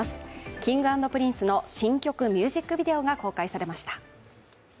Ｋｉｎｇ＆Ｐｒｉｎｃｅの新曲ミュージックビデオが公開されました。